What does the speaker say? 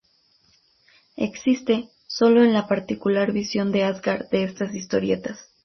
Existe sólo en la particular visión de Asgard de estas historietas.